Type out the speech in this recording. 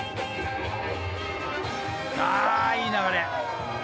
あいい流れ。